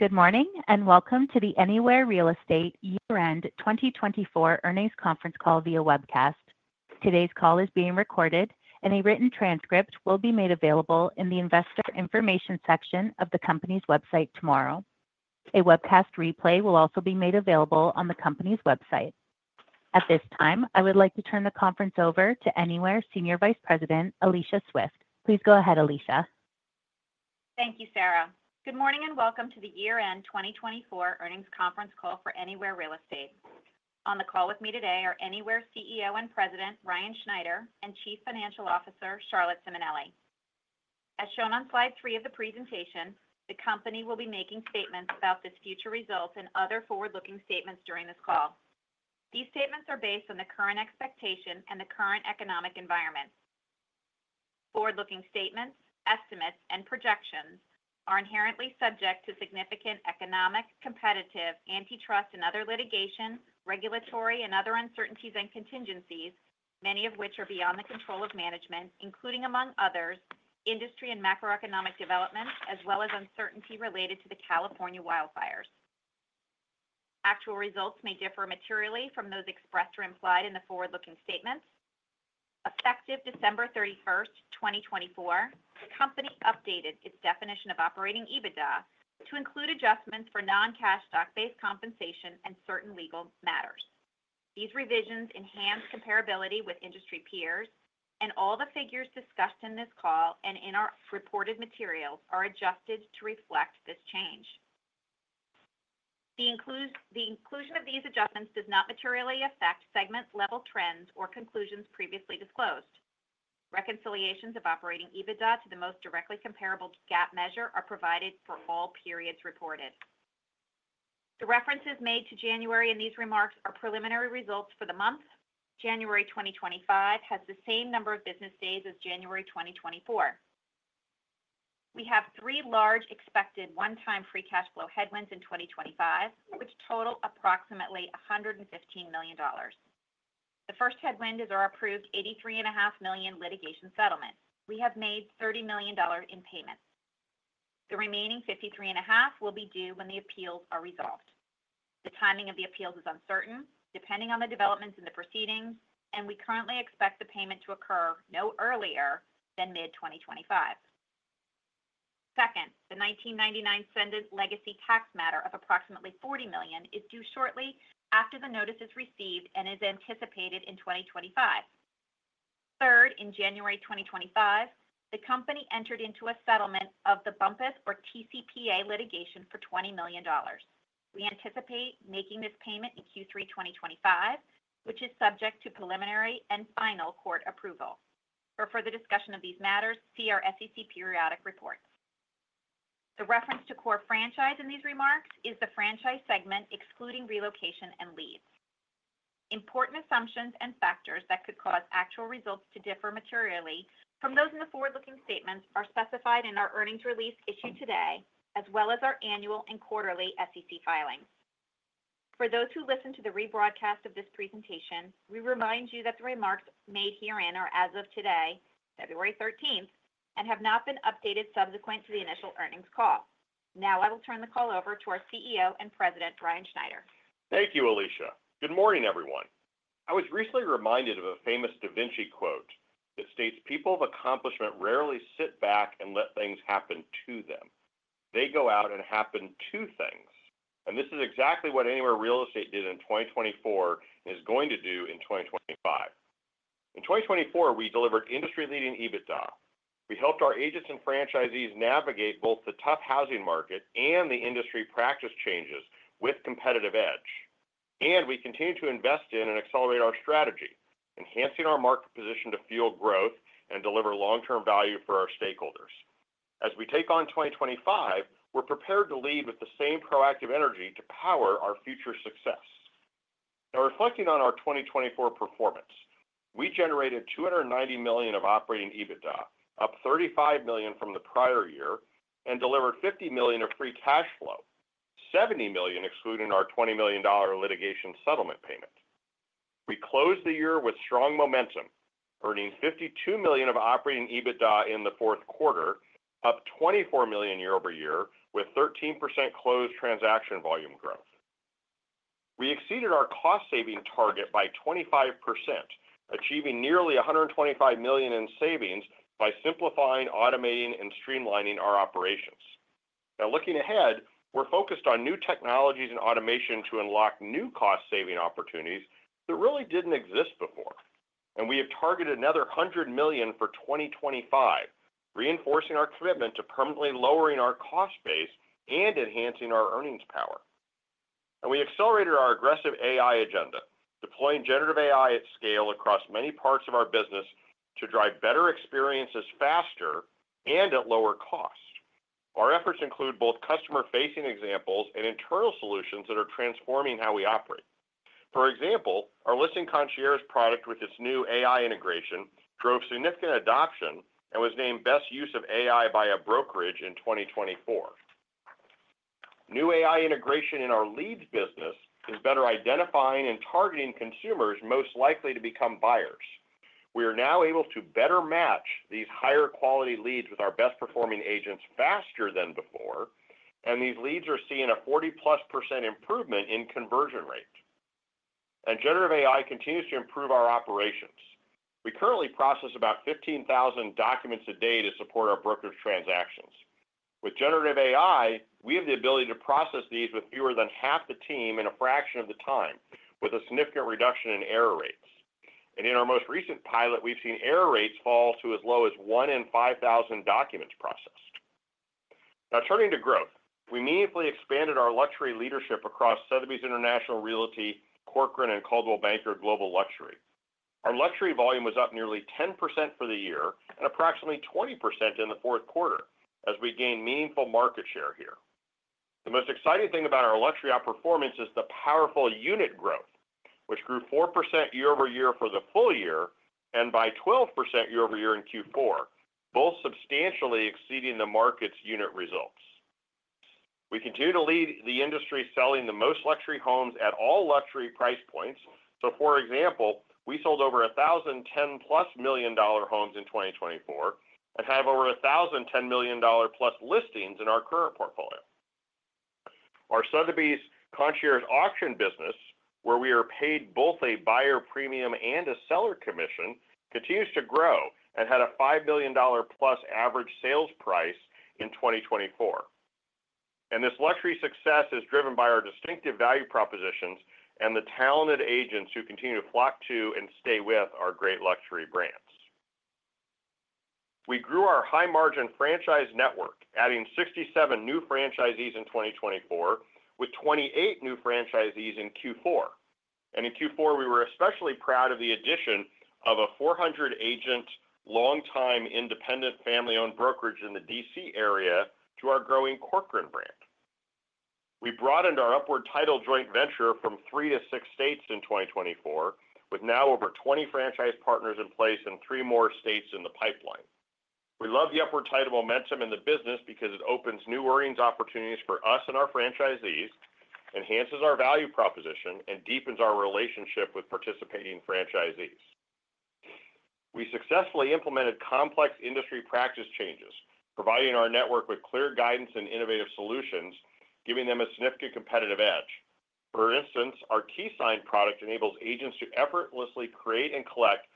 Good morning and welcome to the Anywhere Real Estate Year-End 2024 Earnings Conference Call via webcast. Today's call is being recorded, and a written transcript will be made available in the investor information section of the company's website tomorrow. A webcast replay will also be made available on the company's website. At this time, I would like to turn the conference over to Anywhere Senior Vice President, Alicia Swift. Please go ahead, Alicia. Thank you, Sarah. Good morning and welcome to the Year-End 2024 Earnings Conference Call for Anywhere Real Estate. On the call with me today are Anywhere CEO and President, Ryan Schneider, and Chief Financial Officer, Charlotte Simonelli. As shown on slide three of the presentation, the company will be making statements about this future result and other forward-looking statements during this call. These statements are based on the current expectation and the current economic environment. Forward-looking statements, estimates, and projections are inherently subject to significant economic, competitive, antitrust, and other litigation, regulatory, and other uncertainties and contingencies, many of which are beyond the control of management, including, among others, industry and macroeconomic developments, as well as uncertainty related to the California wildfires. Actual results may differ materially from those expressed or implied in the forward-looking statements. Effective December 31st, 2024, the company updated its definition of Operating EBITDA to include adjustments for non-cash stock-based compensation and certain legal matters. These revisions enhance comparability with industry peers, and all the figures discussed in this call and in our reported materials are adjusted to reflect this change. The inclusion of these adjustments does not materially affect segment-level trends or conclusions previously disclosed. Reconciliations of operating EBITDA to the most directly comparable GAAP measure are provided for all periods reported. The references made to January in these remarks are preliminary results for the month. January 2025 has the same number of business days as January 2024. We have three large expected one-time free cash flow headwinds in 2025, which total approximately $115 million. The first headwind is our approved $83.5 million litigation settlement. We have made $30 million in payments. The remaining $53.5 million will be due when the appeals are resolved. The timing of the appeals is uncertain, depending on the developments in the proceedings, and we currently expect the payment to occur no earlier than mid-2025. Second, the 1999 Cendant legacy tax matter of approximately $40 million is due shortly after the notice is received and is anticipated in 2025. Third, in January 2025, the company entered into a settlement of the Bumpus or TCPA litigation for $20 million. We anticipate making this payment in Q3 2025, which is subject to preliminary and final court approval. For further discussion of these matters, see our SEC periodic reports. The reference to core franchise in these remarks is the franchise segment excluding relocation and leads. Important assumptions and factors that could cause actual results to differ materially from those in the forward-looking statements are specified in our earnings release issued today, as well as our annual and quarterly SEC filings. For those who listen to the rebroadcast of this presentation, we remind you that the remarks made herein are as of today, February 13th, and have not been updated subsequent to the initial earnings call. Now I will turn the call over to our CEO and President, Ryan Schneider. Thank you, Alicia. Good morning, everyone. I was recently reminded of a famous da Vinci quote that states, "People of accomplishment rarely sit back and let things happen to them. They go out and happen to things." And this is exactly what Anywhere Real Estate did in 2024 and is going to do in 2025. In 2024, we delivered industry-leading EBITDA. We helped our agents and franchisees navigate both the tough housing market and the industry practice changes with competitive edge. And we continue to invest in and accelerate our strategy, enhancing our market position to fuel growth and deliver long-term value for our stakeholders. As we take on 2025, we're prepared to lead with the same proactive energy to power our future success. Now, reflecting on our 2024 performance, we generated $290 million of Operating EBITDA, up $35 million from the prior year, and delivered $50 million of free cash flow, $70 million excluding our $20 million litigation settlement payment. We closed the year with strong momentum, earning $52 million of Operating EBITDA in the fourth quarter, up $24 million year-over-year with 13% closed transaction volume growth. We exceeded our cost-saving target by 25%, achieving nearly $125 million in savings by simplifying, automating, and streamlining our operations. Now, looking ahead, we're focused on new technologies and automation to unlock new cost-saving opportunities that really didn't exist before. And we have targeted another $100 million for 2025, reinforcing our commitment to permanently lowering our cost base and enhancing our earnings power. We accelerated our aggressive AI agenda, deploying Generative AI at scale across many parts of our business to drive better experiences faster and at lower cost. Our efforts include both customer-facing examples and internal solutions that are transforming how we operate. For example, our Listing Concierge product with its new AI integration drove significant adoption and was named Best Use of AI by a brokerage in 2024. New AI integration in our leads business is better identifying and targeting consumers most likely to become buyers. We are now able to better match these higher-quality leads with our best-performing agents faster than before, and these leads are seeing a 40+% improvement in conversion rate. Generative AI continues to improve our operations. We currently process about 15,000 documents a day to support our brokerage transactions. With Generative AI, we have the ability to process these with fewer than half the team in a fraction of the time, with a significant reduction in error rates. And in our most recent pilot, we've seen error rates fall to as low as one in 5,000 documents processed. Now, turning to growth, we meaningfully expanded our luxury leadership across Sotheby's International Realty, Corcoran, and Coldwell Banker Global Luxury. Our luxury volume was up nearly 10% for the year and approximately 20% in the fourth quarter as we gained meaningful market share here. The most exciting thing about our luxury ops performance is the powerful unit growth, which grew 4% year-over-year for the full year and by 12% year-over-year in Q4, both substantially exceeding the market's unit results. We continue to lead the industry selling the most luxury homes at all luxury price points. For example, we sold over $1,010-plus million homes in 2024 and have over $1,010+ listings in our current portfolio. Our Sotheby's Concierge Auction business, where we are paid both a buyer premium and a seller commission, continues to grow and had a $5 billion+ average sales price in 2024. This luxury success is driven by our distinctive value propositions and the talented agents who continue to flock to and stay with our great luxury brands. We grew our high-margin franchise network, adding 67 new franchisees in 2024, with 28 new franchisees in Q4. In Q4, we were especially proud of the addition of a 400-agent, long-time independent family-owned brokerage in the DC area to our growing Corcoran brand. We broadened our Upward Title joint venture from three to six states in 2024, with now over 20 franchise partners in place and three more states in the pipeline. We love the Upward Title momentum in the business because it opens new earnings opportunities for us and our franchisees, enhances our value proposition, and deepens our relationship with participating franchisees. We successfully implemented complex industry practice changes, providing our network with clear guidance and innovative solutions, giving them a significant competitive edge. For instance, our KeySign product enables agents to effortlessly create and collect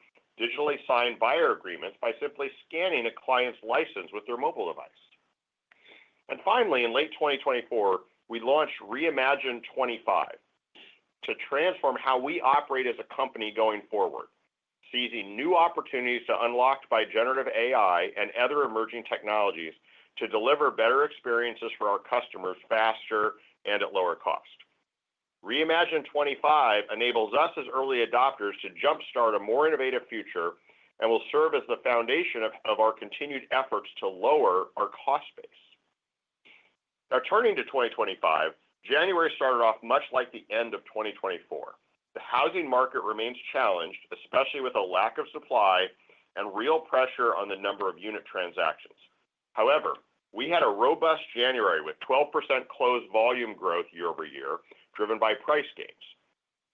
digitally signed buyer agreements by simply scanning a client's license with their mobile device. And finally, in late 2024, we launched Reimagine25 to transform how we operate as a company going forward, seizing new opportunities unlocked by Generative AI and other emerging technologies to deliver better experiences for our customers faster and at lower cost. Reimagine25 enables us as early adopters to jump-start a more innovative future and will serve as the foundation of our continued efforts to lower our cost base. Now, turning to 2025, January started off much like the end of 2024. The housing market remains challenged, especially with a lack of supply and real pressure on the number of unit transactions. However, we had a robust January with 12% closed volume growth year-over-year, driven by price gains.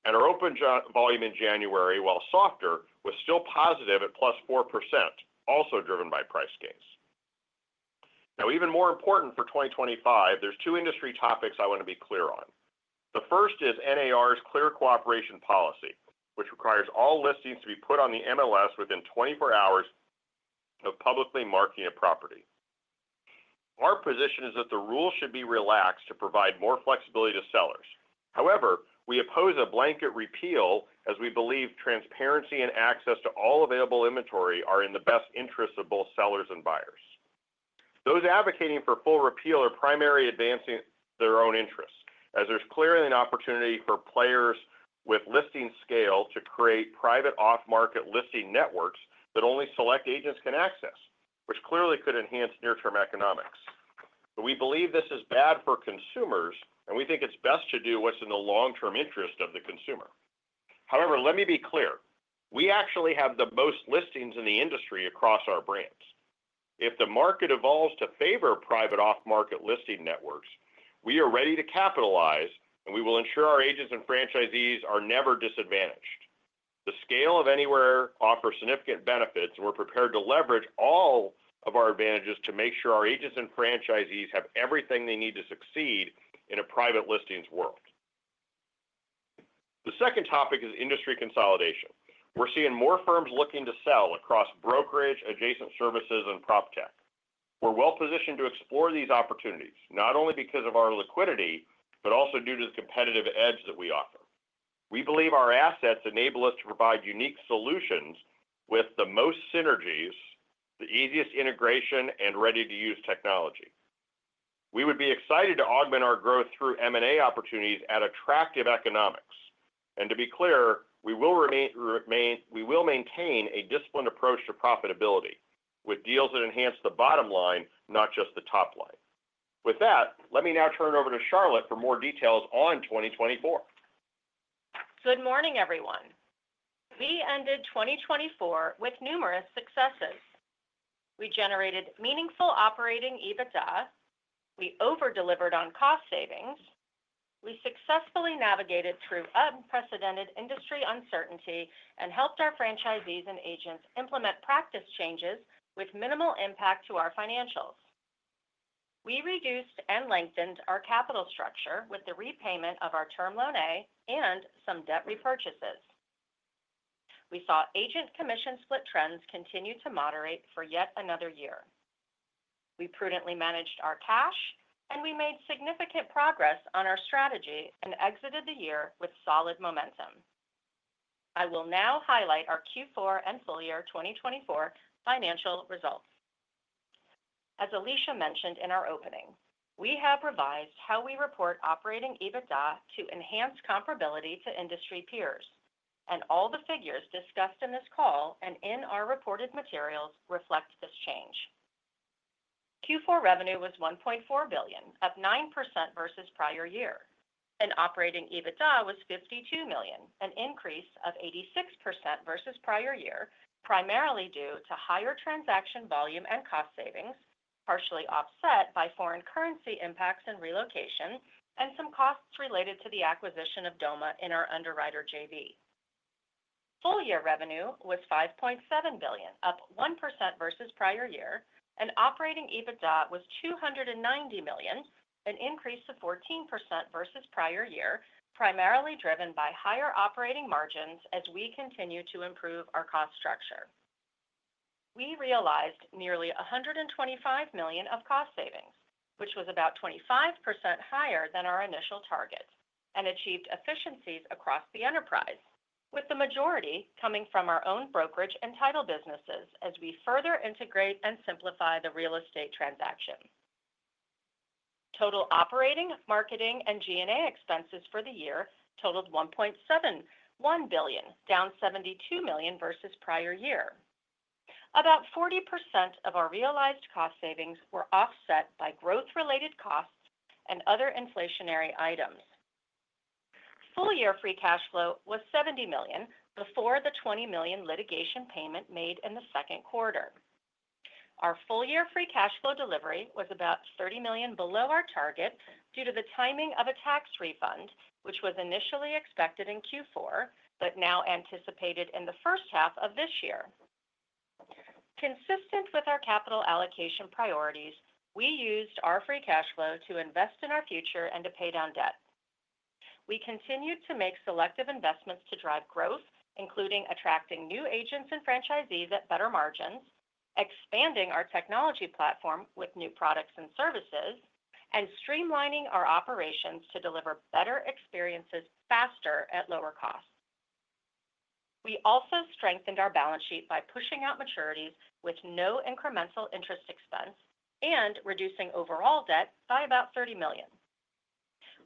And our open volume in January, while softer, was still positive at plus 4%, also driven by price gains. Now, even more important for 2025, there are two industry topics I want to be clear on. The first is NAR's Clear Cooperation Policy, which requires all listings to be put on the MLS within 24 hours of publicly marketing a property. Our position is that the rules should be relaxed to provide more flexibility to sellers. However, we oppose a blanket repeal as we believe transparency and access to all available inventory are in the best interests of both sellers and buyers. Those advocating for full repeal are primarily advancing their own interests, as there's clearly an opportunity for players with listing scale to create private off-market listing networks that only select agents can access, which clearly could enhance near-term economics. But we believe this is bad for consumers, and we think it's best to do what's in the long-term interest of the consumer. However, let me be clear. We actually have the most listings in the industry across our brands. If the market evolves to favor private off-market listing networks, we are ready to capitalize, and we will ensure our agents and franchisees are never disadvantaged. The scale of Anywhere offers significant benefits, and we're prepared to leverage all of our advantages to make sure our agents and franchisees have everything they need to succeed in a private listings world. The second topic is industry consolidation. We're seeing more firms looking to sell across brokerage, adjacent services, and PropTech. We're well-positioned to explore these opportunities, not only because of our liquidity, but also due to the competitive edge that we offer. We believe our assets enable us to provide unique solutions with the most synergies, the easiest integration, and ready-to-use technology. We would be excited to augment our growth through M&A opportunities at attractive economics. And to be clear, we will maintain a disciplined approach to profitability with deals that enhance the bottom line, not just the top line. With that, let me now turn it over to Charlotte for more details on 2024. Good morning, everyone. We ended 2024 with numerous successes. We generated meaningful Operating EBITDA. We over-delivered on cost savings. We successfully navigated through unprecedented industry uncertainty and helped our franchisees and agents implement practice changes with minimal impact to our financials. We reduced and lengthened our capital structure with the repayment of our Term Loan A and some debt repurchases. We saw agent commission split trends continue to moderate for yet another year. We prudently managed our cash, and we made significant progress on our strategy and exited the year with solid momentum. I will now highlight our Q4 and full year 2024 financial results. As Alicia mentioned in our opening, we have revised how we report Operating EBITDA to enhance comparability to industry peers. And all the figures discussed in this call and in our reported materials reflect this change. Q4 revenue was $1.4 billion, up 9% versus prior year. And Operating EBITDA was $52 million, an increase of 86% versus prior year, primarily due to higher transaction volume and cost savings, partially offset by foreign currency impacts and relocation, and some costs related to the acquisition of Doma in our underwriter JV. Full year revenue was $5.7 billion, up 1% versus prior year. And Operating EBITDA was $290 million, an increase of 14% versus prior year, primarily driven by higher operating margins as we continue to improve our cost structure. We realized nearly $125 million of cost savings, which was about 25% higher than our initial target, and achieved efficiencies across the enterprise, with the majority coming from our own brokerage and title businesses as we further integrate and simplify the real estate transaction. Total operating, marketing, and G&A expenses for the year totaled $1.71 billion, down $72 million versus prior year. About 40% of our realized cost savings were offset by growth-related costs and other inflationary items. Full year free cash flow was $70 million before the $20 million litigation payment made in the second quarter. Our full year free cash flow delivery was about $30 million below our target due to the timing of a tax refund, which was initially expected in Q4, but now anticipated in the first half of this year. Consistent with our capital allocation priorities, we used our free cash flow to invest in our future and to pay down debt. We continued to make selective investments to drive growth, including attracting new agents and franchisees at better margins, expanding our technology platform with new products and services, and streamlining our operations to deliver better experiences faster at lower cost. We also strengthened our balance sheet by pushing out maturities with no incremental interest expense and reducing overall debt by about $30 million.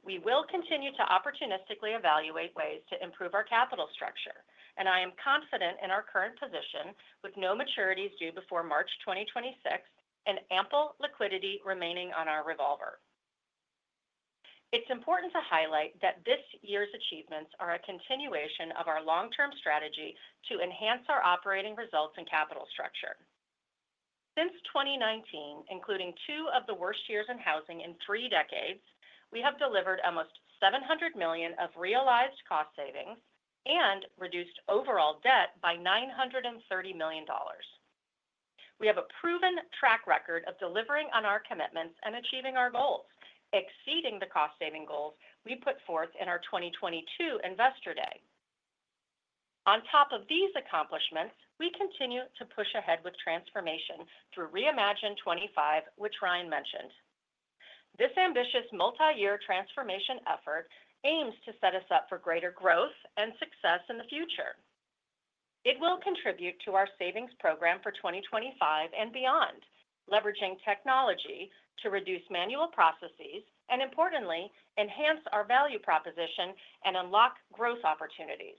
We will continue to opportunistically evaluate ways to improve our capital structure, and I am confident in our current position with no maturities due before March 2026 and ample liquidity remaining on our revolver. It's important to highlight that this year's achievements are a continuation of our long-term strategy to enhance our operating results and capital structure. Since 2019, including two of the worst years in housing in three decades, we have delivered almost $700 million of realized cost savings and reduced overall debt by $930 million. We have a proven track record of delivering on our commitments and achieving our goals, exceeding the cost-saving goals we put forth in our 2022 Investor Day. On top of these accomplishments, we continue to push ahead with transformation through Reimagine25, which Ryan mentioned. This ambitious multi-year transformation effort aims to set us up for greater growth and success in the future. It will contribute to our savings program for 2025 and beyond, leveraging technology to reduce manual processes and, importantly, enhance our value proposition and unlock growth opportunities.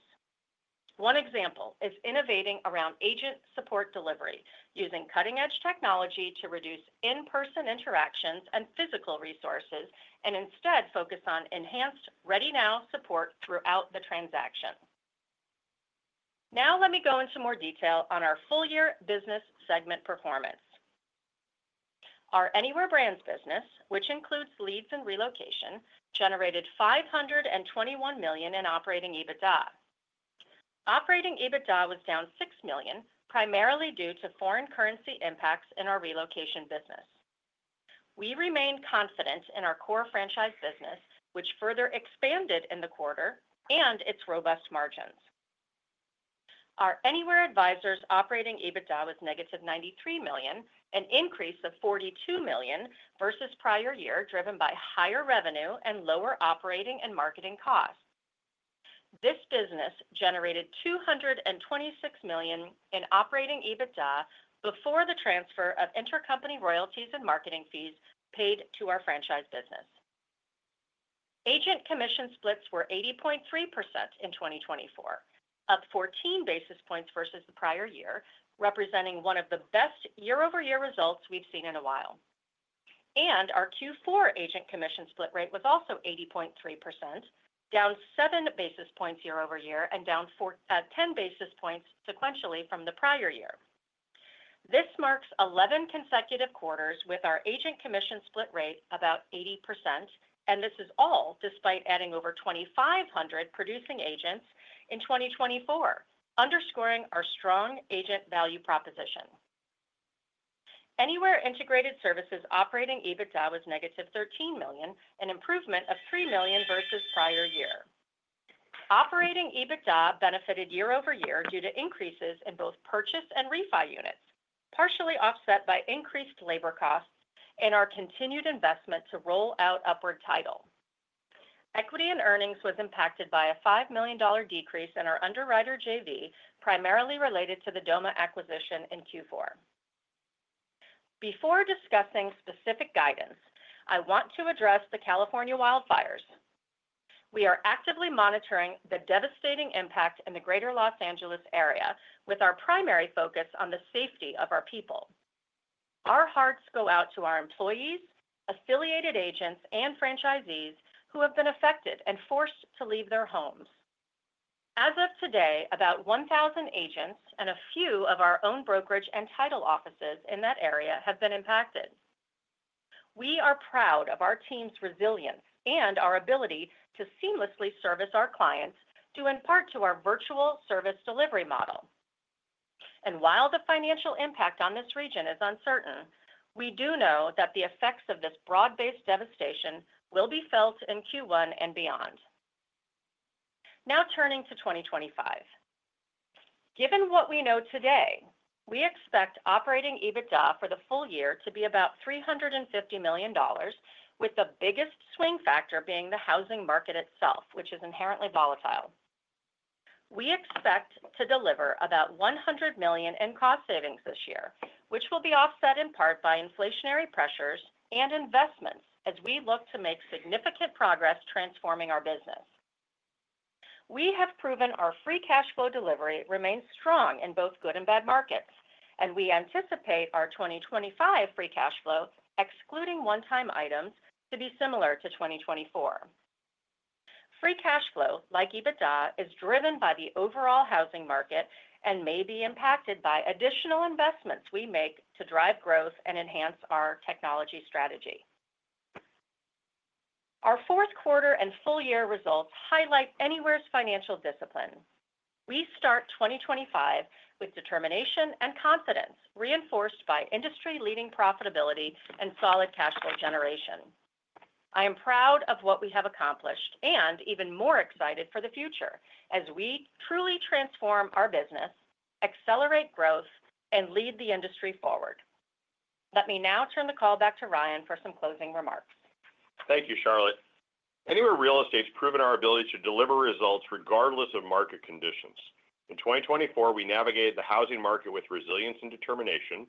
One example is innovating around agent support delivery, using cutting-edge technology to reduce in-person interactions and physical resources and instead focus on enhanced ready-now support throughout the transaction. Now, let me go into more detail on our full year business segment performance. Our Anywhere Brands business, which includes leads and relocation, generated $521 million in Operating EBITDA. Operating EBITDA was down $6 million, primarily due to foreign currency impacts in our relocation business. We remained confident in our core franchise business, which further expanded in the quarter and its robust margins. Our Anywhere Advisors operating EBITDA was negative $93 million, an increase of $42 million versus prior year, driven by higher revenue and lower operating and marketing costs. This business generated $226 million in operating EBITDA before the transfer of intercompany royalties and marketing fees paid to our franchise business. Agent commission splits were 80.3% in 2024, up 14 basis points versus the prior year, representing one of the best year-over-year results we've seen in a while. Our Q4 agent commission split rate was also 80.3%, down 7 basis points year-over-year and down 10 basis points sequentially from the prior year. This marks 11 consecutive quarters with our agent commission split rate about 80%, and this is all despite adding over 2,500 producing agents in 2024, underscoring our strong agent value proposition. Anywhere Integrated Services Operating EBITDA was -$13 million, an improvement of $3 million versus prior year. Operating EBITDA benefited year-over-year due to increases in both purchase and refi units, partially offset by increased labor costs and our continued investment to roll out Upward Title. Equity and earnings was impacted by a $5 million decrease in our underwriter JV, primarily related to the Doma acquisition in Q4. Before discussing specific guidance, I want to address the California wildfires. We are actively monitoring the devastating impact in the Greater Los Angeles area, with our primary focus on the safety of our people. Our hearts go out to our employees, affiliated agents, and franchisees who have been affected and forced to leave their homes. As of today, about 1,000 agents and a few of our own brokerage and title offices in that area have been impacted. We are proud of our team's resilience and our ability to seamlessly service our clients due in part to our virtual service delivery model. And while the financial impact on this region is uncertain, we do know that the effects of this broad-based devastation will be felt in Q1 and beyond. Now, turning to 2025. Given what we know today, we expect Operating EBITDA for the full year to be about $350 million, with the biggest swing factor being the housing market itself, which is inherently volatile. We expect to deliver about $100 million in cost savings this year, which will be offset in part by inflationary pressures and investments as we look to make significant progress transforming our business. We have proven our free cash flow delivery remains strong in both good and bad markets, and we anticipate our 2025 free cash flow, excluding one-time items, to be similar to 2024. Free cash flow, like EBITDA, is driven by the overall housing market and may be impacted by additional investments we make to drive growth and enhance our technology strategy. Our fourth quarter and full year results highlight Anywhere's financial discipline. We start 2025 with determination and confidence, reinforced by industry-leading profitability and solid cash flow generation. I am proud of what we have accomplished and even more excited for the future as we truly transform our business, accelerate growth, and lead the industry forward. Let me now turn the call back to Ryan for some closing remarks. Thank you, Charlotte. Anywhere Real Estate's proven our ability to deliver results regardless of market conditions. In 2024, we navigated the housing market with resilience and determination,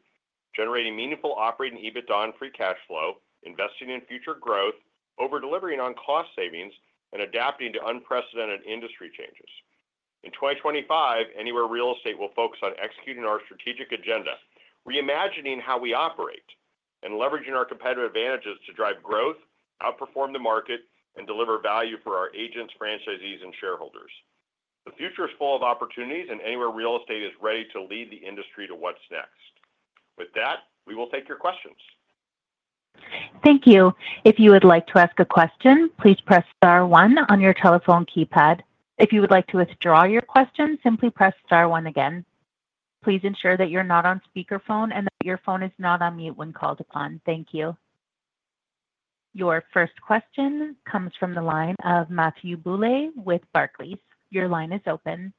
generating meaningful Operating EBITDA and free cash flow, investing in future growth, over-delivering on cost savings, and adapting to unprecedented industry changes. In 2025, Anywhere Real Estate will focus on executing our strategic agenda, reimagining how we operate, and leveraging our competitive advantages to drive growth, outperform the market, and deliver value for our agents, franchisees, and shareholders. The future is full of opportunities, and Anywhere Real Estate is ready to lead the industry to what's next. With that, we will take your questions. Thank you. If you would like to ask a question, please press star one on your telephone keypad. If you would like to withdraw your question, simply press star one again. Please ensure that you're not on speakerphone and that your phone is not on mute when called upon. Thank you. Your first question comes from the line of Matthew Bouley with Barclays. Your line is open.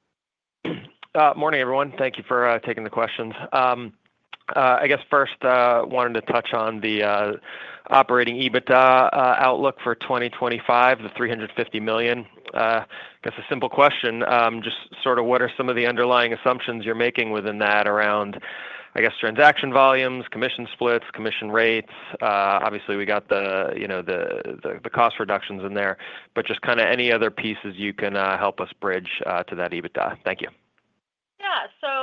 Morning, everyone. Thank you for taking the questions. I guess first, I wanted to touch on the Operating EBITDA outlook for 2025, the $350 million. I guess a simple question, just sort of what are some of the underlying assumptions you're making within that around, I guess, transaction volumes, commission splits, commission rates? Obviously, we got the cost reductions in there, but just kind of any other pieces you can help us bridge to that EBITDA. Thank you. Yeah. So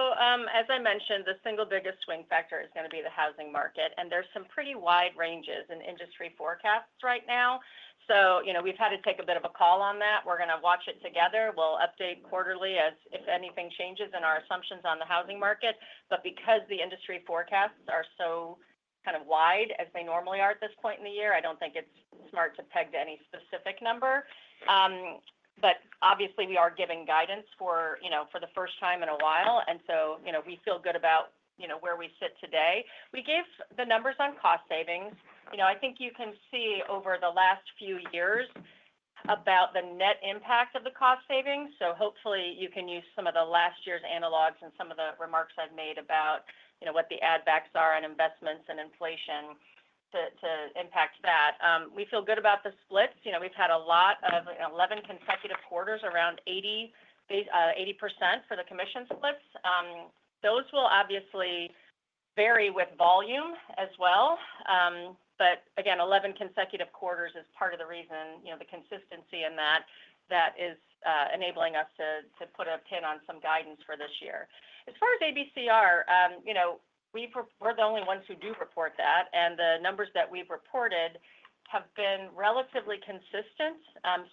as I mentioned, the single biggest swing factor is going to be the housing market, and there's some pretty wide ranges in industry forecasts right now. So we've had to take a bit of a call on that. We're going to watch it together. We'll update quarterly as if anything changes in our assumptions on the housing market. But because the industry forecasts are so kind of wide as they normally are at this point in the year, I don't think it's smart to peg to any specific number. But obviously, we are giving guidance for the first time in a while, and so we feel good about where we sit today. We gave the numbers on cost savings. I think you can see over the last few years about the net impact of the cost savings. So hopefully, you can use some of the last year's analogs and some of the remarks I've made about what the add-backs are on investments and inflation to impact that. We feel good about the splits. We've had a lot of 11 consecutive quarters, around 80% for the commission splits. Those will obviously vary with volume as well. But again, 11 consecutive quarters is part of the reason, the consistency in that, that is enabling us to put a pin on some guidance for this year. As far as ABCR, we're the only ones who do report that, and the numbers that we've reported have been relatively consistent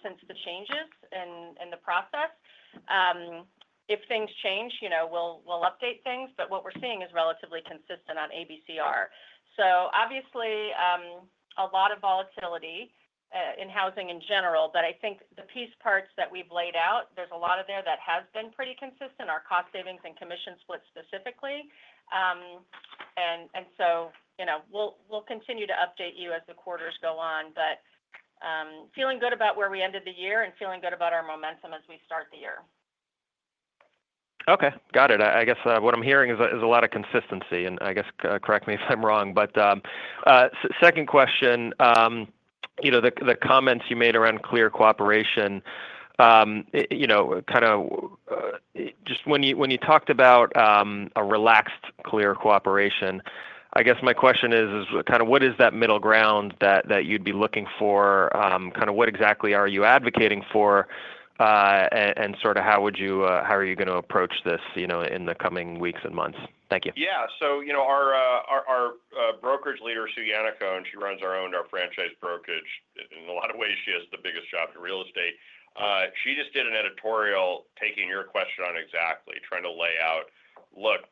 since the changes in the process. If things change, we'll update things, but what we're seeing is relatively consistent on ABCR. So obviously, a lot of volatility in housing in general, but I think the piece parts that we've laid out, there's a lot of there that has been pretty consistent, our cost savings and commission splits specifically. And so we'll continue to update you as the quarters go on, but feeling good about where we ended the year and feeling good about our momentum as we start the year. Okay. Got it. I guess what I'm hearing is a lot of consistency, and I guess correct me if I'm wrong. But second question, the comments you made around Clear Cooperation, kind of just when you talked about a relaxed Clear Cooperation, I guess my question is kind of what is that middle ground that you'd be looking for? Kind of what exactly are you advocating for and sort of how are you going to approach this in the coming weeks and months? Thank you. Yeah. So our brokerage leader, Sue Yannaccone, and she runs our own franchise brokerage. In a lot of ways, she has the biggest job in real estate. She just did an editorial taking your question on exactly, trying to lay out, "Look,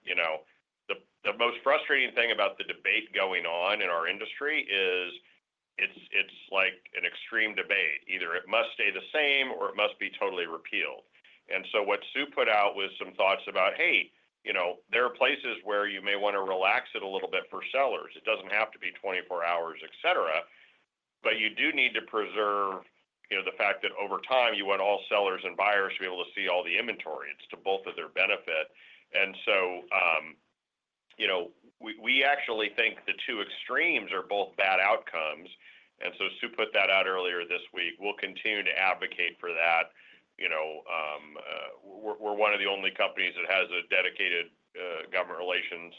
the most frustrating thing about the debate going on in our industry is it's like an extreme debate. Either it must stay the same or it must be totally repealed." And so what Sue put out was some thoughts about, "Hey, there are places where you may want to relax it a little bit for sellers. It doesn't have to be 24 hours, etc. But you do need to preserve the fact that over time, you want all sellers and buyers to be able to see all the inventory. It's to both of their benefit." And so we actually think the two extremes are both bad outcomes. And so Sue put that out earlier this week. We'll continue to advocate for that. We're one of the only companies that has a dedicated government relations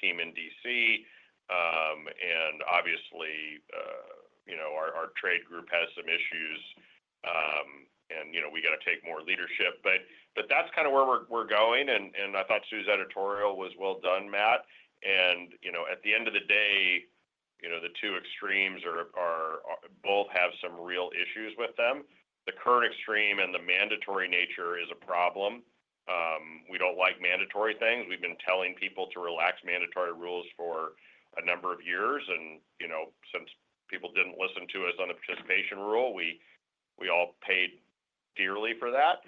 team in DC. And obviously, our trade group has some issues, and we got to take more leadership. But that's kind of where we're going. And I thought Sue's editorial was well done, Matt. And at the end of the day, the two extremes both have some real issues with them. The current extreme and the mandatory nature is a problem. We don't like mandatory things. We've been telling people to relax mandatory rules for a number of years. And since people didn't listen to us on the participation rule, we all paid dearly for that.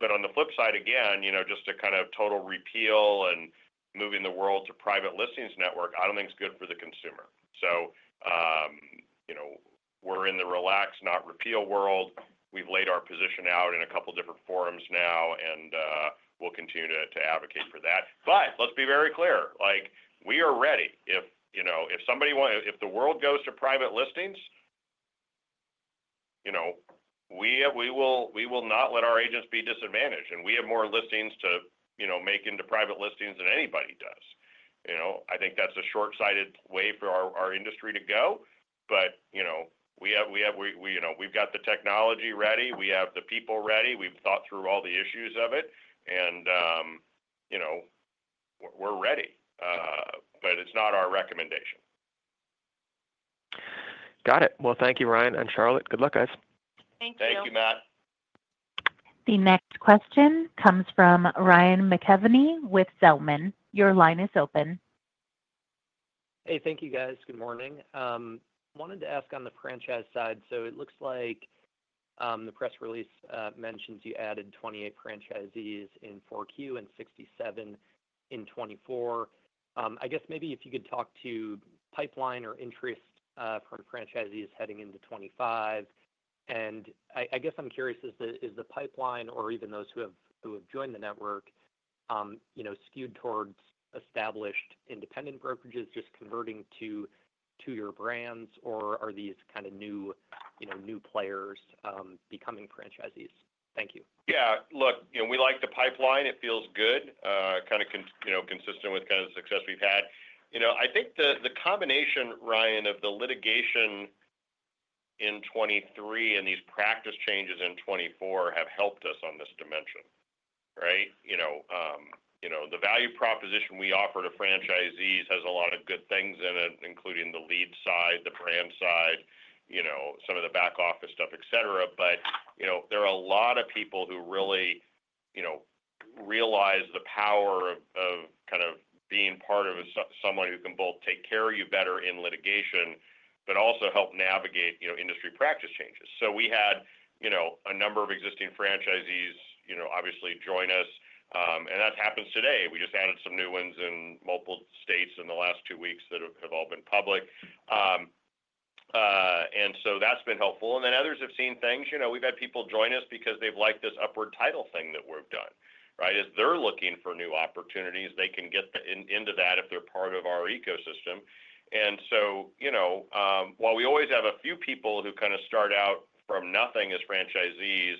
But on the flip side, again, just to kind of total repeal and moving the world to private listings network, I don't think it's good for the consumer. So we're in the relax, not repeal world. We've laid our position out in a couple of different forums now, and we'll continue to advocate for that. But let's be very clear. We are ready. If the world goes to private listings, we will not let our agents be disadvantaged. And we have more listings to make into private listings than anybody does. I think that's a short-sighted way for our industry to go. But we have the technology ready. We have the people ready. We've thought through all the issues of it, and we're ready. But it's not our recommendation. Got it. Well, thank you, Ryan and Charlotte. Good luck, guys. Thank you. Thank you, Matt. The next question comes from Ryan McKeveny with Zelman. Your line is open. Hey, thank you, guys. Good morning. Wanted to ask on the franchise side. So it looks like the press release mentions you added 28 franchisees in 4Q and 67 in 2024. I guess maybe if you could talk to pipeline or interest from franchisees heading into 2025. And I guess I'm curious, is the pipeline or even those who have joined the network skewed towards established independent brokerages just converting to your brands, or are these kind of new players becoming franchisees? Thank you. Yeah. Look, we like the pipeline. It feels good, kind of consistent with kind of the success we've had. I think the combination, Ryan, of the litigation in 2023 and these practice changes in 2024 have helped us on this dimension, right? The value proposition we offer to franchisees has a lot of good things in it, including the lead side, the brand side, some of the back office stuff, etc. But there are a lot of people who really realize the power of kind of being part of someone who can both take care of you better in litigation, but also help navigate industry practice changes. So we had a number of existing franchisees obviously join us. And that happens today. We just added some new ones in multiple states in the last two weeks that have all been public. And so that's been helpful. And then others have seen things. We've had people join us because they've liked this Upward Title thing that we've done, right? As they're looking for new opportunities, they can get into that if they're part of our ecosystem. And so while we always have a few people who kind of start out from nothing as franchisees,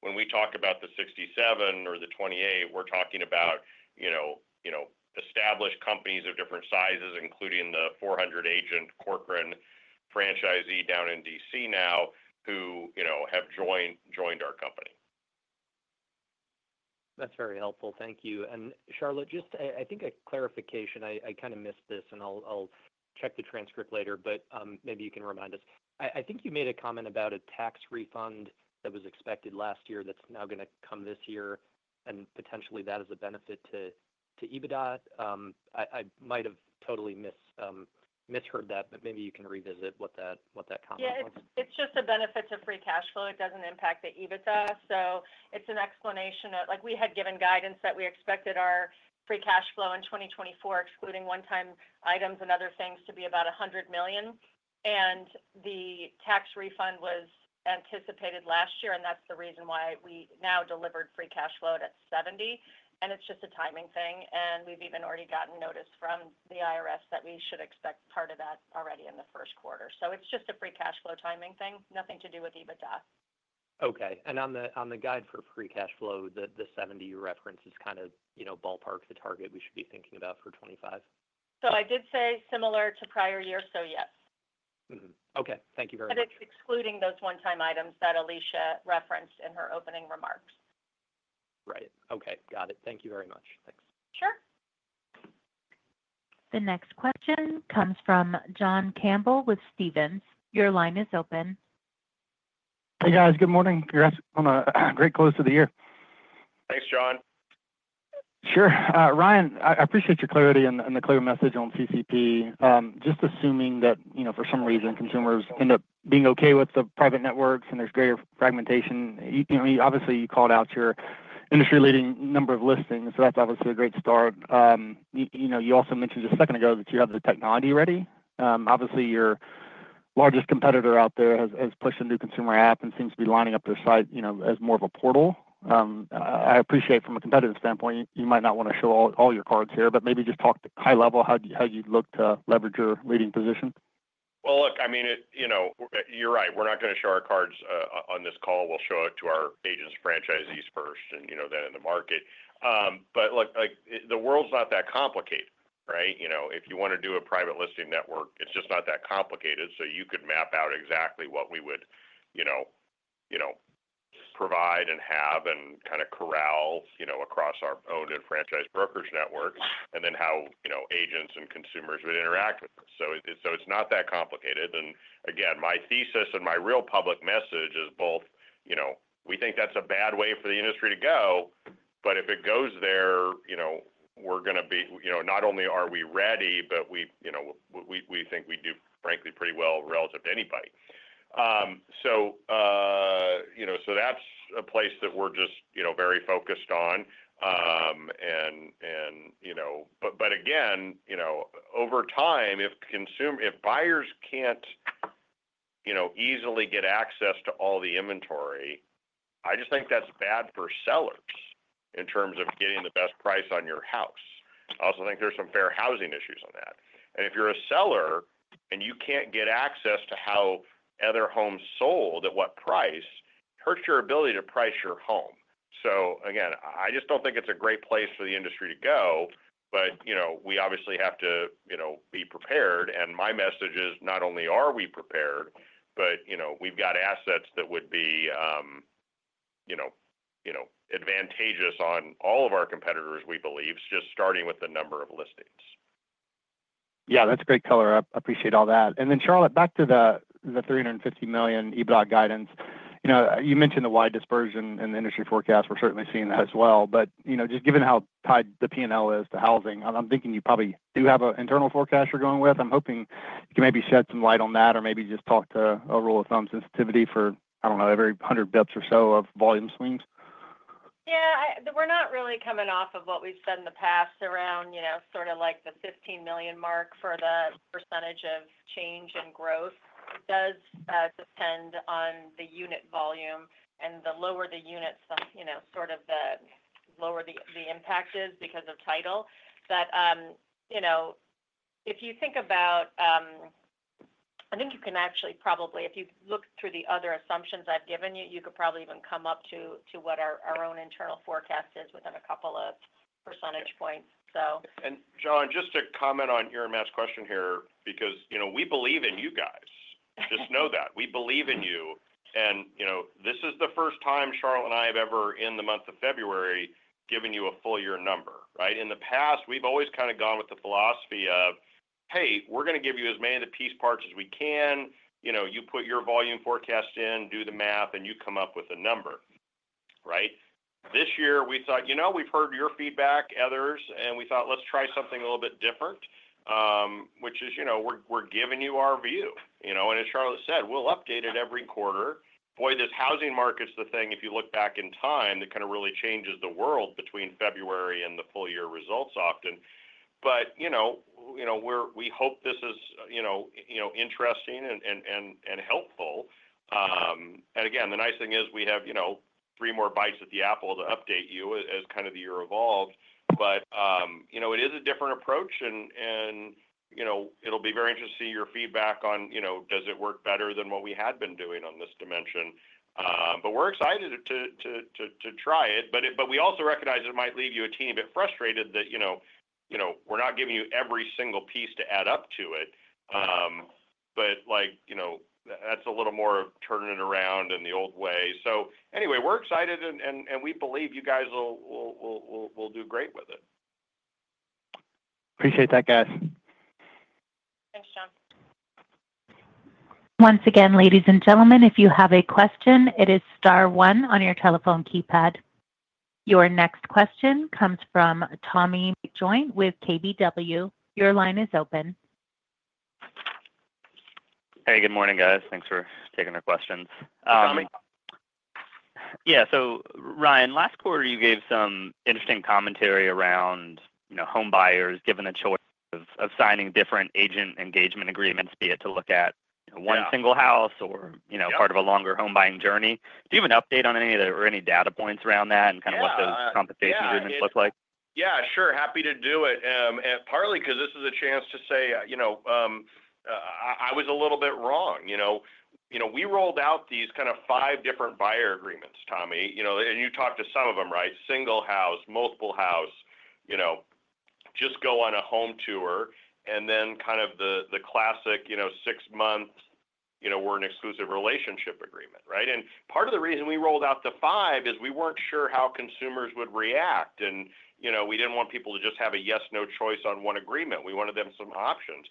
when we talk about the 67 or the 28, we're talking about established companies of different sizes, including the 400-agent Corcoran franchisee down in D.C. now who have joined our company. That's very helpful. Thank you. And Charlotte, just, I think, a clarification. I kind of missed this, and I'll check the transcript later, but maybe you can remind us. I think you made a comment about a tax refund that was expected last year that's now going to come this year, and potentially that is a benefit to EBITDA. I might have totally misheard that, but maybe you can revisit what that comment was. Yeah. It's just a benefit to free cash flow. It doesn't impact the EBITDA. So it's an explanation of we had given guidance that we expected our free cash flow in 2024, excluding one-time items and other things, to be about $100 million. And the tax refund was anticipated last year, and that's the reason why we now delivered free cash flow at $70 million. And it's just a timing thing. And we've even already gotten notice from the IRS that we should expect part of that already in the first quarter. So it's just a free cash flow timing thing, nothing to do with EBITDA. Okay, and on the guide for free cash flow, the 70 you referenced is kind of ballpark the target we should be thinking about for 2025? So I did say similar to prior year, so yes. Okay. Thank you very much. But it's excluding those one-time items that Alicia referenced in her opening remarks. Right. Okay. Got it. Thank you very much. Thanks. Sure. The next question comes from John Campbell with Stephens. Your line is open. Hey, guys. Good morning. Congrats on a great close to the year. Thanks, John. Sure. Ryan, I appreciate your clarity and the clear message on CCP. Just assuming that for some reason consumers end up being okay with the private networks and there's greater fragmentation, obviously you called out your industry-leading number of listings. So that's obviously a great start. You also mentioned just a second ago that you have the technology ready. Obviously, your largest competitor out there has pushed a new consumer app and seems to be lining up their site as more of a portal. I appreciate from a competitive standpoint, you might not want to show all your cards here, but maybe just talk high level how you'd look to leverage your leading position. Look, I mean, you're right. We're not going to show our cards on this call. We'll show it to our agents, franchisees first, and then in the market. But look, the world's not that complicated, right? If you want to do a private listing network, it's just not that complicated. So you could map out exactly what we would provide and have and kind of corral across our owned and franchised brokerage network, and then how agents and consumers would interact with it. So it's not that complicated. And again, my thesis and my real public message is both we think that's a bad way for the industry to go, but if it goes there, we're going to be not only are we ready, but we think we do, frankly, pretty well relative to anybody. So that's a place that we're just very focused on. And but again, over time, if buyers can't easily get access to all the inventory, I just think that's bad for sellers in terms of getting the best price on your house. I also think there's some fair housing issues on that. And if you're a seller and you can't get access to how other homes sold at what price, it hurts your ability to price your home. So again, I just don't think it's a great place for the industry to go, but we obviously have to be prepared. And my message is not only are we prepared, but we've got assets that would be advantageous on all of our competitors, we believe, just starting with the number of listings. Yeah. That's great color. I appreciate all that. And then Charlotte, back to the $350 million EBITDA guidance. You mentioned the wide dispersion in the industry forecast. We're certainly seeing that as well. But just given how tied the P&L is to housing, I'm thinking you probably do have an internal forecast you're going with. I'm hoping you can maybe shed some light on that or maybe just talk to a rule of thumb sensitivity for, I don't know, every 100 basis points or so of volume swings. Yeah. We're not really coming off of what we've said in the past around sort of like the 15 million mark for the percentage of change in growth. It does depend on the unit volume, and the lower the units, sort of the lower the impact is because of title. But if you think about, I think you can actually probably, if you look through the other assumptions I've given you, you could probably even come up to what our own internal forecast is within a couple of percentage points, so. And John, just to comment on your last question here, because we believe in you guys. Just know that. We believe in you. And this is the first time Charlotte and I have ever, in the month of February, given you a full year number, right? In the past, we've always kind of gone with the philosophy of, "Hey, we're going to give you as many of the piece parts as we can. You put your volume forecast in, do the math, and you come up with a number," right? This year, we thought, "We've heard your feedback, others, and we thought, let's try something a little bit different," which is we're giving you our view. And as Charlotte said, we'll update it every quarter. Boy, this housing market's the thing. If you look back in time, that kind of really changes the world between February and the full year results often, but we hope this is interesting and helpful, and again, the nice thing is we have three more bites at the apple to update you as kind of the year evolved, but it is a different approach, and it'll be very interesting to see your feedback on, does it work better than what we had been doing on this dimension, but we're excited to try it, but we also recognize it might leave you a teeny bit frustrated that we're not giving you every single piece to add up to it, but that's a little more of turning it around in the old way, so anyway, we're excited, and we believe you guys will do great with it. Appreciate that, guys. Thanks, John. Once again, ladies and gentlemen, if you have a question, it is star one on your telephone keypad. Your next question comes from Tommy McJoynt with KBW. Your line is open. Hey, good morning, guys. Thanks for taking our questions. Hey, Tommy. Yeah. So Ryan, last quarter, you gave some interesting commentary around home buyers given a choice of signing different agent engagement agreements, be it to look at one single house or part of a longer home buying journey. Do you have an update on any of the or any data points around that and kind of what those compensation agreements look like? Yeah. Sure. Happy to do it. Partly because this is a chance to say I was a little bit wrong. We rolled out these kind of five different buyer agreements, Tommy. And you talked to some of them, right? Single house, multiple house, just go on a home tour, and then kind of the classic six months we're an exclusive relationship agreement, right? And part of the reason we rolled out the five is we weren't sure how consumers would react. And we didn't want people to just have a yes, no choice on one agreement. We wanted them some options.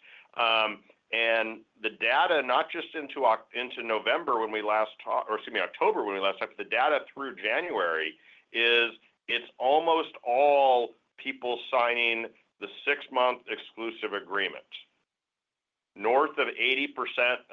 And the data, not just into November when we last talked or excuse me, October when we last talked, the data through January is it's almost all people signing the six-month exclusive agreement. North of 80%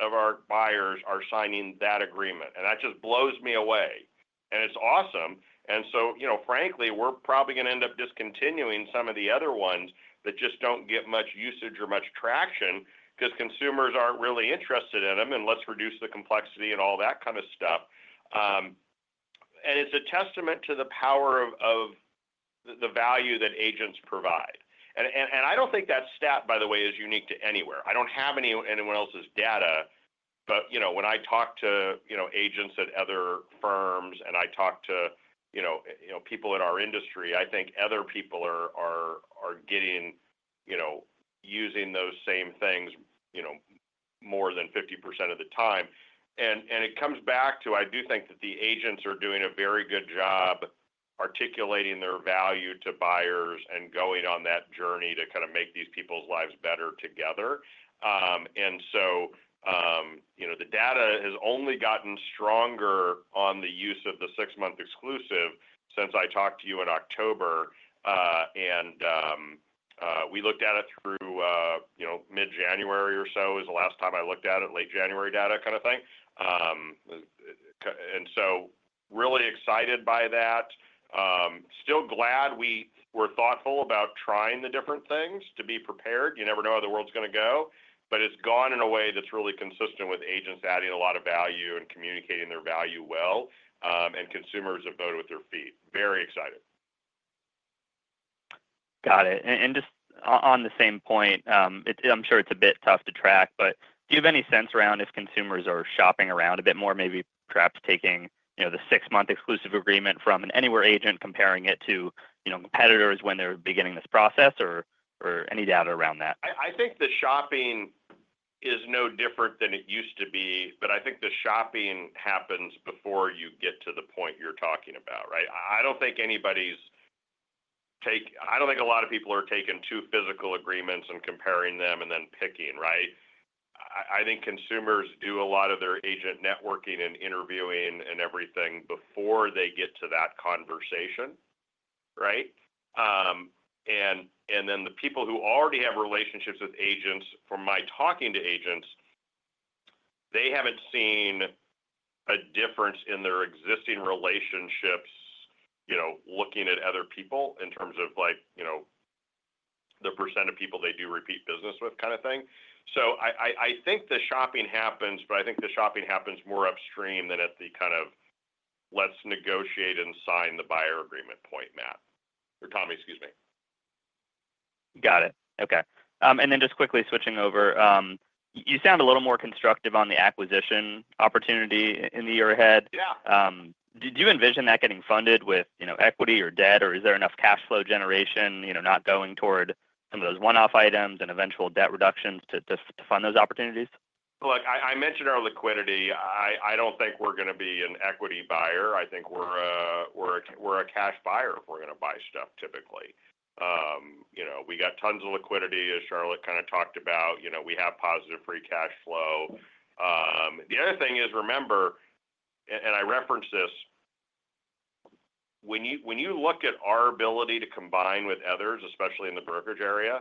of our buyers are signing that agreement. And that just blows me away. And it's awesome. And so frankly, we're probably going to end up discontinuing some of the other ones that just don't get much usage or much traction because consumers aren't really interested in them, and let's reduce the complexity and all that kind of stuff. And it's a testament to the power of the value that agents provide. And I don't think that stat, by the way, is unique to Anywhere. I don't have anyone else's data. But when I talk to agents at other firms and I talk to people in our industry, I think other people are getting using those same things more than 50% of the time. And it comes back to I do think that the agents are doing a very good job articulating their value to buyers and going on that journey to kind of make these people's lives better together. And so the data has only gotten stronger on the use of the six-month exclusive since I talked to you in October. And we looked at it through mid-January or so. Is the last time I looked at it, late January data kind of thing. And so really excited by that. Still glad we were thoughtful about trying the different things to be prepared. You never know how the world's going to go. But it's gone in a way that's really consistent with agents adding a lot of value and communicating their value well. And consumers have voted with their feet. Very excited. Got it. And just on the same point, I'm sure it's a bit tough to track, but do you have any sense around if consumers are shopping around a bit more, maybe perhaps taking the six-month exclusive agreement from an Anywhere agent, comparing it to competitors when they're beginning this process, or any data around that? I think the shopping is no different than it used to be, but I think the shopping happens before you get to the point you're talking about, right? I don't think a lot of people are taking two physical agreements and comparing them and then picking, right? I think consumers do a lot of their agent networking and interviewing and everything before they get to that conversation, right? And then the people who already have relationships with agents, from my talking to agents, they haven't seen a difference in their existing relationships looking at other people in terms of the percent of people they do repeat business with kind of thing. So I think the shopping happens, but I think the shopping happens more upstream than at the kind of let's negotiate and sign the buyer agreement point, Matt. Or Tommy, excuse me. Got it. Okay. And then just quickly switching over, you sound a little more constructive on the acquisition opportunity in the year ahead. Yeah. Do you envision that getting funded with equity or debt, or is there enough cash flow generation not going toward some of those one-off items and eventual debt reductions to fund those opportunities? Look, I mentioned our liquidity. I don't think we're going to be an equity buyer. I think we're a cash buyer if we're going to buy stuff, typically. We got tons of liquidity, as Charlotte kind of talked about. We have positive free cash flow. The other thing is, remember, and I reference this, when you look at our ability to combine with others, especially in the brokerage area,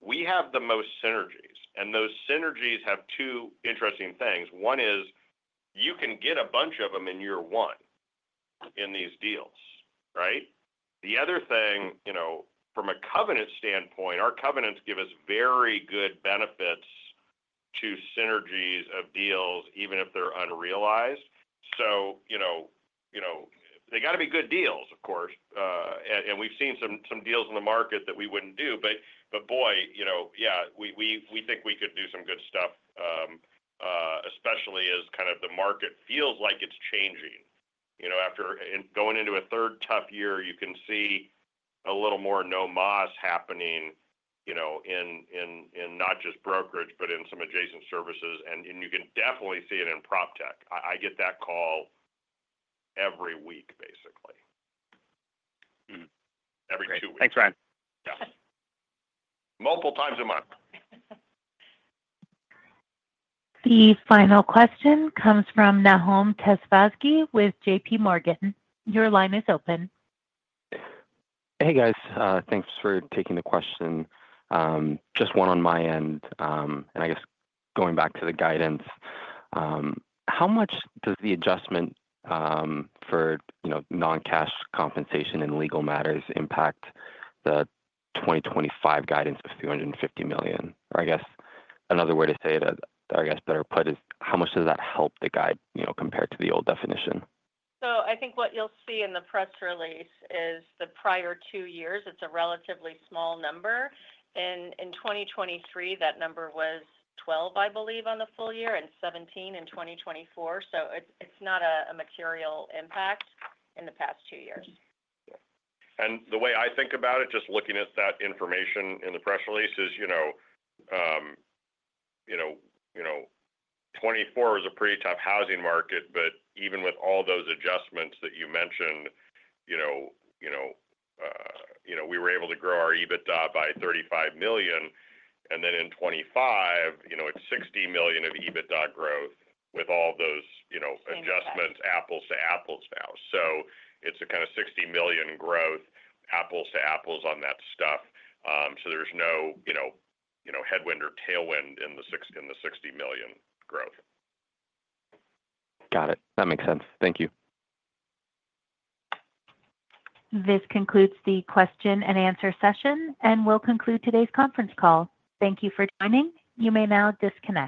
we have the most synergies. And those synergies have two interesting things. One is you can get a bunch of them in year one in these deals, right? The other thing, from a covenant standpoint, our covenants give us very good benefits to synergies of deals, even if they're unrealized. So they got to be good deals, of course. And we've seen some deals in the market that we wouldn't do. But boy, yeah, we think we could do some good stuff, especially as kind of the market feels like it's changing. After going into a third tough year, you can see a little more no-moss happening in not just brokerage, but in some adjacent services. And you can definitely see it in PropTech. I get that call every week, basically. Every two weeks. Thanks, Ryan. Multiple times a month. The final question comes from Nahom Tesfazghi with JPMorgan. Your line is open. Hey, guys. Thanks for taking the question. Just one on my end, and I guess going back to the guidance, how much does the adjustment for non-cash compensation in legal matters impact the 2025 guidance of $350 million? Or, I guess, another way to say it, or I guess better put, is how much does that help the guide compared to the old definition? I think what you'll see in the press release is the prior two years; it's a relatively small number. In 2023, that number was 12, I believe, on the full year, and 17 in 2024. It's not a material impact in the past two years. And the way I think about it, just looking at that information in the press release, is 2024 is a pretty tough housing market. But even with all those adjustments that you mentioned, we were able to grow our EBITDA by $35 million. And then in 2025, it's $60 million of EBITDA growth with all those adjustments, apples to apples now. So it's a kind of $60 million growth, apples to apples on that stuff. So there's no headwind or tailwind in the $60 million growth. Got it. That makes sense. Thank you. This concludes the question-and-answer session, and we'll conclude today's conference call. Thank you for joining. You may now disconnect.